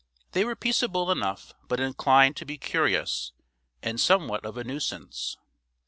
They were peaceable enough but inclined to be curious and somewhat of a nuisance.